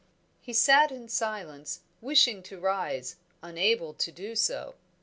He sat in silence, wishing to rise, unable to do so.